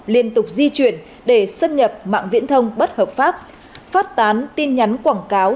liên tục di chuyển để xâm nhập mạng viễn thông bất hợp pháp phát tán tin nhắn quảng cáo